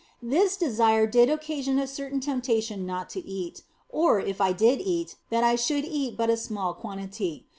This desire did occasion a certain temptation not to eat, or, if I did eat, that I should eat but a small quantity.